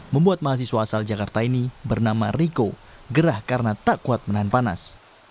membuat mahasiswa asal jakarta ini bernama riko gerah karena tak kuat menahan panas